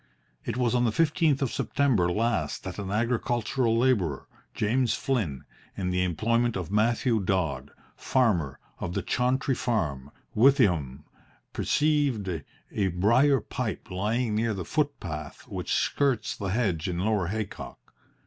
It was on the fifteenth of September last that an agricultural labourer, James Flynn, in the employment of Mathew Dodd, farmer, of the Chauntry Farm, Withyham, perceived a briar pipe lying near the footpath which skirts the hedge in Lower Haycock.